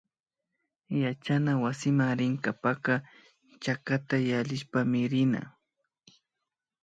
Yachana wasiman rinkapaka chakata yallishpami rina